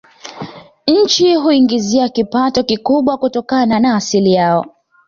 Nchi huiingizia kipato kikubwa kutokana na asili yao